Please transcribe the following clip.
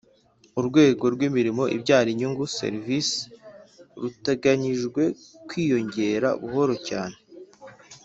urwego rw'imirimo ibyara inyungu (services) ruteganyijwe kwiyongera buhoro cyane.